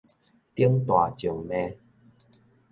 頂大靜脈